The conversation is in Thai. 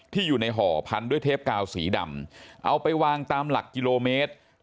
อยู่ในห่อพันด้วยเทปกาวสีดำเอาไปวางตามหลักกิโลเมตร